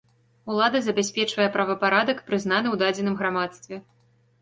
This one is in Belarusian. Улада забяспечвае правапарадак, прызнаны ў дадзеным грамадстве.